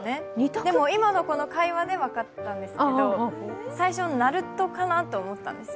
でも、今のこの会話で分かったんですけど、最初、なるとかなって思ったんですよ。